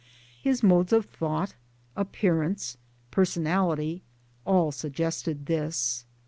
His modes of thought, appearance, personality, all sug" gested this.